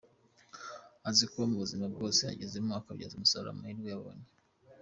Azi kuba mu buzima bwose agazemo, akabyaza umusaruro amahirwe abonye.